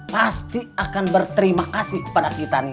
pasti akan berterima kasih kepada kita nih